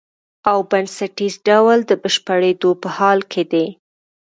او بنسټیز ډول د بشپړېدو په حال کې دی.